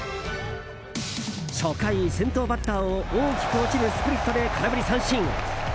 初回、先頭バッターを大きく落ちるスプリットで空振り三振。